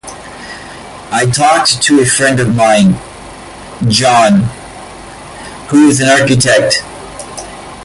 I talked to a friend of mine, John, who is an architect.